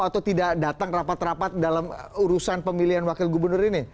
atau tidak datang rapat rapat dalam urusan pemilihan wakil gubernur ini